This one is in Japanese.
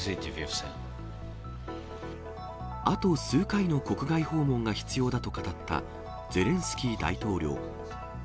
あと数回の国外訪問が必要だと語ったゼレンスキー大統領。